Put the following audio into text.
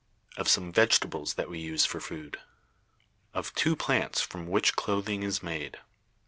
Of some vegetables that we use for food. Of two plants from which clothing is made.